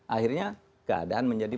akhirnya keadaan menjadi